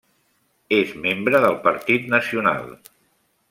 És membre del Partit Nacional.